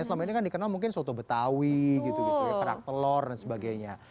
selama ini kan dikenal mungkin soto betawi gitu gitu ya kerak telur dan sebagainya